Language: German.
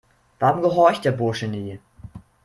Warum gehorcht der Bursche nie?